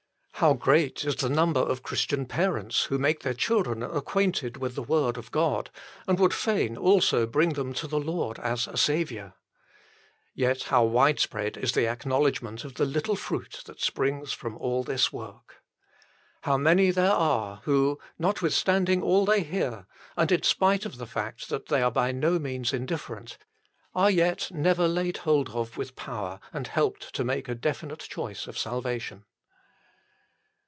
How great is the number of Christian parents that make their children acquainted with the Word of God and would fain also bring them to the Lord as a Saviour. Yet how widespread is the acknowledgment of 58 THE FULL BLESSING OF PENTECOST the little fruit that springs from all this work. How many there are who, notwithstanding all they hear, and in spite of the fact that they are by no means indifferent, are yet never laid hold of with power and helped to make a definite choice of salvation.